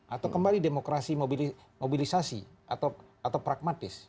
atau kembali demokrasi mobilisasi atau pragmatis